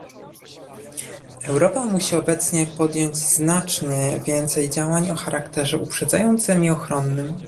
Europa musi obecnie podjąć znacznie więcej działań o charakterze uprzedzającym i ochronnym